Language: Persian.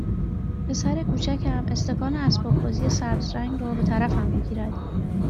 پسر کوچکم استکان اسباببازی سبز رنگ را به طرفم میگیرد